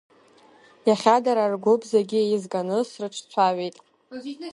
Иахьа дара ргәыԥ зегьы еизганы срыҿцәажәеит.